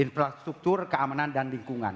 infrastruktur keamanan dan lingkungan